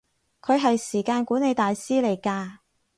佢係時間管理大師嚟㗎